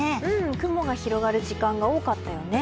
雲が広がる時間が多かったよね。